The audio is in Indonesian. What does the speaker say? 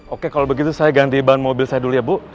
oke kalau begitu saya ganti ban mobil saya dulu ya bu